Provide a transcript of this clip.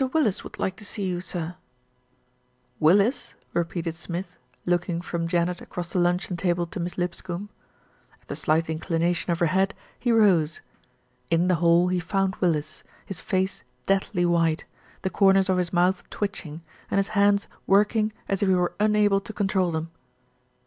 WILLIS would like to see you, sir." \\r \ "Willis!" repeated Smith, looking from Janet across the luncheon table to Miss Lip scombe. At the slight inclination of her head, he rose. In the hall he found Willis, his face deathly white, the corners of his mouth twitching, and his hands working as if he were unable to control them.